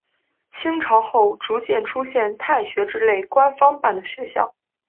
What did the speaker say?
清朝后逐渐出现太学之类官方办的学校。